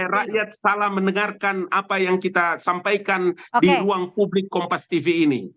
rakyat salah mendengarkan apa yang kita sampaikan di ruang publik kompas tv ini